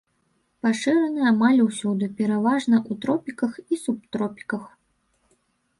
Пашыраны амаль усюды, пераважна ў тропіках і субтропіках.